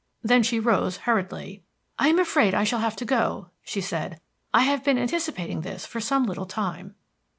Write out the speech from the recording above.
Then she rose hurriedly. "I am afraid I shall have to go," she said. "I have been anticipating this for some little time."